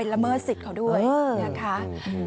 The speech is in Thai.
ละเมิดสิทธิ์เขาด้วยนะคะ